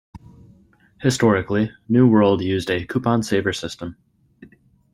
Historically, New World used a coupon saver system.